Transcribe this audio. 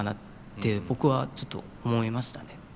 僕はちょっと思いましたね。